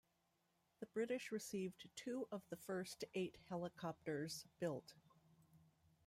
The British received two of the first eight helicopters built.